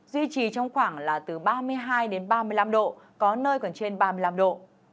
duy trì trong khoảng là từ ba mươi hai đến ba mươi năm độ có nơi còn trên ba mươi năm độ